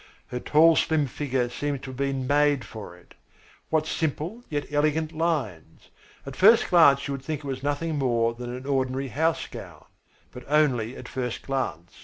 Her tall slim figure seemed to have been made for it. What simple yet elegant lines. At first glance you would think it was nothing more than an ordinary house gown, but only at first glance.